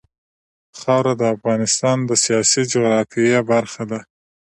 خاوره د افغانستان د سیاسي جغرافیه برخه ده.